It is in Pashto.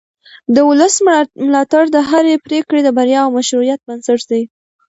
د ولس ملاتړ د هرې پرېکړې د بریا او مشروعیت بنسټ دی